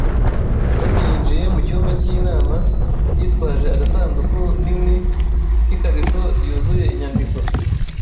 Tom yinjiye mu cyumba cy'inama, yitwaje agasanduku nini k'ikarito yuzuye inyandiko